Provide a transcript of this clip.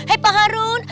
hei pak harun